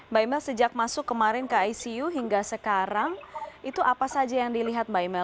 mbak imel sejak masuk kemarin ke icu hingga sekarang itu apa saja yang dilihat mbak imel